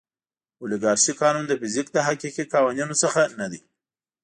اولیګارشي قانون د فزیک له حقیقي قوانینو څخه نه دی.